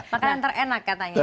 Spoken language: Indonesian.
makanan terenak katanya